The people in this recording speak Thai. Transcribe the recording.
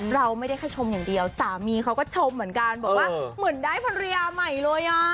เราไม่ได้แค่ชมอย่างเดียวสามีเขาก็ชมเหมือนกันบอกว่าเหมือนได้ภรรยาใหม่เลยอ่ะ